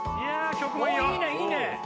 曲もいいよ！